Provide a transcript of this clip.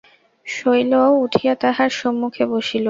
শৈলও উঠিয়া তাহার সন্মুখে বসিল।